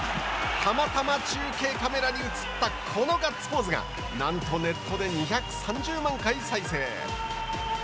たまたま中継カメラに映ったこのガッツポーズがなんとネットで２３０万回再生。